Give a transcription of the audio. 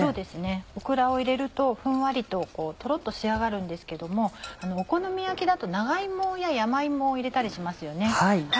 オクラを入れるとふんわりととろっと仕上がるんですけどもお好み焼きだと長芋や山芋を入れたりしますよね。